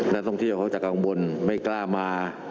นักท่องเที่ยวเขาจะกังวลไม่กล้ามา